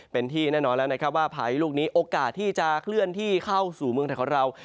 เป็นที่แน่นอนแล้วนะครับว่าพายุลูกนี้โอกาสที่จะเคลื่อนที่เข้าสู่เมืองไทยของเรา